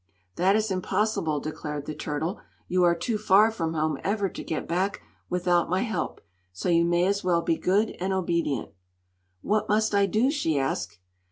"That is impossible," declared the turtle. "You are too far from home ever to get back without my help, so you may as well be good and obedient." "What must I do?" she asked.